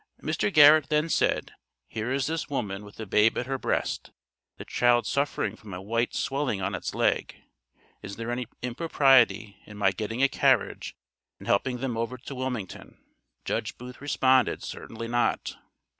Mr. Garrett then said, here is this woman with a babe at her breast, the child suffering from a white swelling on its leg, is there any impropriety in my getting a carriage and helping them over to Wilmington? Judge Booth responded certainly not.